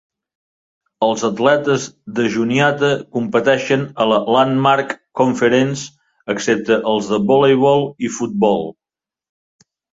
Els atletes de Juniata competeixen a la Landmark Conference, excepte els de voleibol i futbol.